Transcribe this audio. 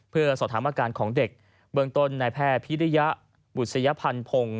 เพื่อสอธารณ์อาการของเด็กเบื้องต้นในแพพิริยะบุษยพันธุ์พงศ์